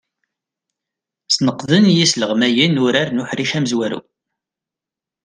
Sneqden yisleɣmayen urar n uḥric amezwaru.